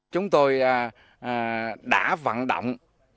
chúng tôi đã vận động